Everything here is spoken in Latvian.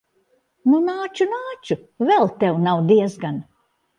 Nu, nāču, nāču. Vēl tev nav diezgan.